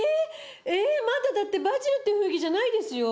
えまだだってバジルっていう雰囲気じゃないですよ。